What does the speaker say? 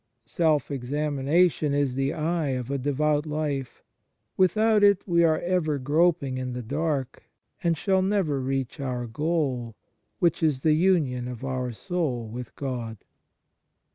Self examination is the eye of a devout life. 1 Without it we are ever groping in the dark, and shall never reach pur goal, which is the union of our soul with God.